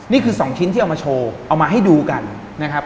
นี่คือ๒ชิ้นที่เอามาโชว์เอามาให้ดูกันนะครับ